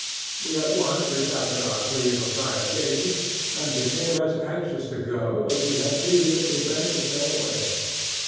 We at once retracted our plea of a prior engagement, and became as anxious to go, as we had previously been to stay away.